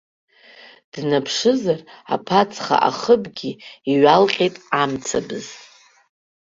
Днаԥшызар, аԥацха ахыбгьы иҩалҟьеит амцабз.